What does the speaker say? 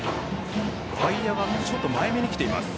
外野がちょっと前に来ています。